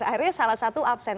akhirnya salah satu absen